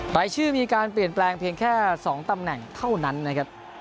รายชื่อมีการเปลี่ยนแปลงเพียงแค่๒ตำแหน่งเท่านั้นนะครับ